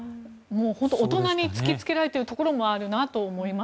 大人に突きつけられているところもあるなと思います。